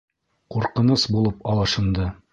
Ҡурҡыныс булып алышынды!